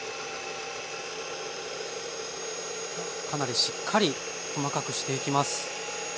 かなりしっかり細かくしていきます。